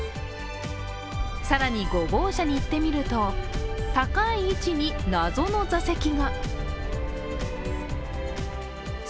更に５号車にいってみると高い位置に謎の座席が。